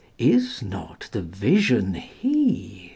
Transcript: Is not the Vision He?